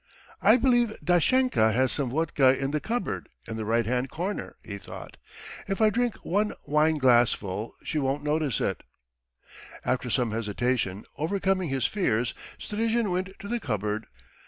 "I believe Dashenka has some vodka in the cupboard in the right hand corner," he thought. "If I drink one wine glassful, she won't notice it." After some hesitation, overcoming his fears, Strizhin went to the cupboard.